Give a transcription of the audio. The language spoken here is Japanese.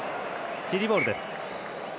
チリボールです。